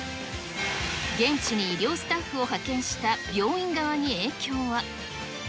現地に医療スタッフを派遣した病院側に影響は。